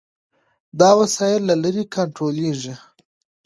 دا وسایل له لرې کنټرولېږي.